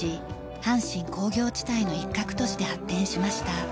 阪神工業地帯の一角として発展しました。